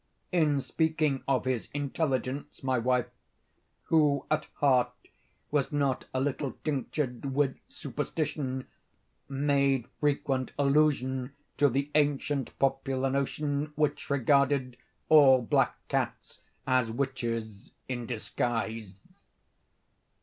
In speaking of his intelligence, my wife, who at heart was not a little tinctured with superstition, made frequent allusion to the ancient popular notion, which regarded all black cats as witches in disguise.